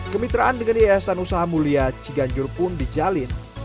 kemitraan dengan yayasan usaha mulia ciganjur pertama